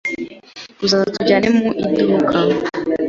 Uzaza tujyane mu iduka?